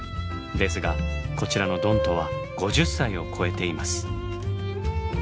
ですがこちらのドントは５０歳を超えています。